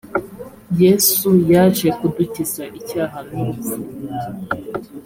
yesu yaje kudukiza icyaha n urupfu